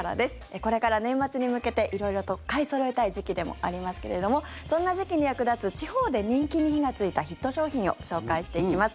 これから年末に向けて色々と買いそろえたい時期でもありますけれどもそんな時期に役立つ地方で人気に火がついたヒット商品を紹介していきます。